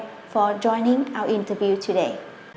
đã đồng hành với chúng tôi